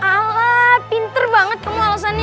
alah pinter banget kamu alasannya